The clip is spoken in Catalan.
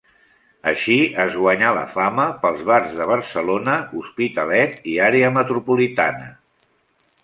Així es guanyà la fama pels bars de Barcelona, Hospitalet, i àrea metropolitana.